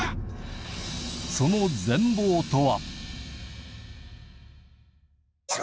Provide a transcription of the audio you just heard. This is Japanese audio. その全貌とは？